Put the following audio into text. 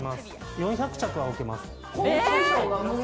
４００着は置けます。